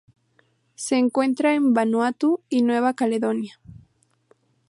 Se encuentra en Vanuatu y Nueva Caledonia.